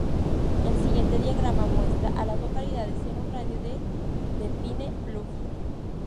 El siguiente diagrama muestra a las localidades en un radio de de Pine Bluffs.